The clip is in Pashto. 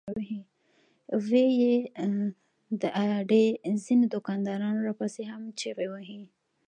وې ئې " د اډې ځنې دوکانداران راپسې هم چغې وهي